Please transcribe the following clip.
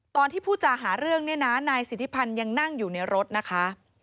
ผู้จาหาเรื่องเนี่ยนะนายสิทธิพันธ์ยังนั่งอยู่ในรถนะคะ